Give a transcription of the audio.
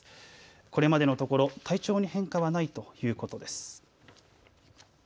これまでのところ体調に変化はないということです。